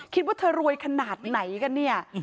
คิดว่าเธอรวยขนาดไหนกันเนี่ย